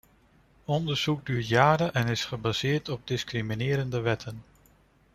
Onderzoek duurt jaren en is gebaseerd op discriminerende wetten.